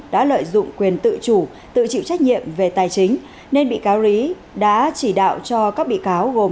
đã lợi dụng quyền tự chủ tự chịu trách nhiệm về tài chính nên bị cáo rí đã chỉ đạo cho các bị cáo gồm